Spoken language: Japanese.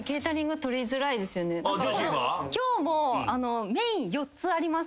今日もメイン４つあります。